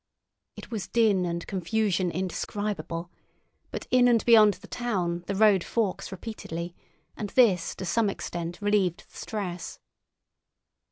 It was din and confusion indescribable; but in and beyond the town the road forks repeatedly, and this to some extent relieved the stress.